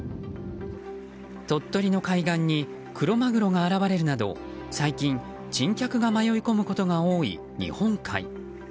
鳥取の海岸にクロマグロが現れるなど最近、珍客が迷い込むことが多い日本海。